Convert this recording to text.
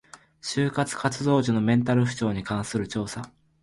就職活動時のメンタル不調に関する調査